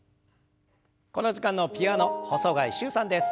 この時間のピアノ細貝柊さんです。